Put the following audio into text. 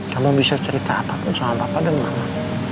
kamu bisa cerita apapun sama papa dan mama